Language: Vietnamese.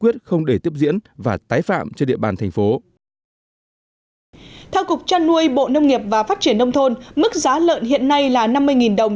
theo cục trăn nuôi bộ nông nghiệp và phát triển nông thôn mức giá lợn hiện nay là năm mươi đồng